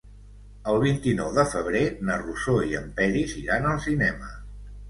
El vint-i-nou de febrer na Rosó i en Peris iran al cinema.